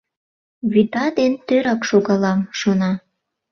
«Вӱта ден тӧрак шогалам!» шона.